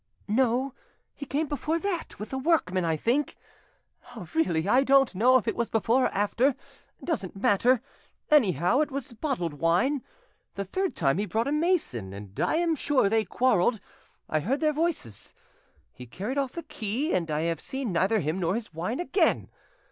"No, he came before that, with a workman I think. "Really, I don't know if it was before or after—doesn't matter. Anyhow, it was bottled wine. The third time he brought a mason, and I am sure they quarreled. I heard their voices. He carried off the key, and I have seen neither him nor his wine again.